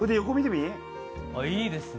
いいですね。